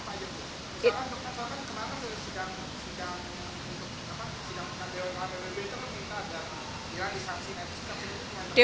soal keamanan kemarin sudah sedang sedang apa sedang berkata dewan keamanan pbb itu meminta agar diarisasi netizen